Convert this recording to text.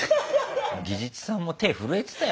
技術さんも手震えてたよ。